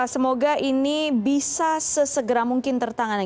semoga ini bisa sesegera mungkin tertangani